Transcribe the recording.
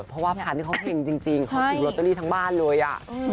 เพราะว่าพรรดิเขาหายจริงเขาถือโรตเตอรี่ทั้งบ้านเลยอ่ะ